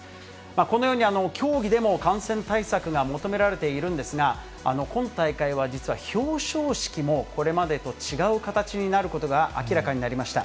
このように、競技でも感染対策が求められているんですが、今大会は実は表彰式も、これまでと違う形になることが明らかになりました。